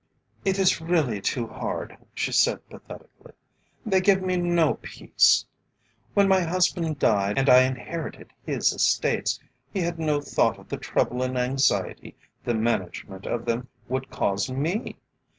"It is really too hard," she said pathetically; "they give me no peace. When my husband died and I inherited his estates, he had no thought of the trouble and anxiety the management of them would cause me.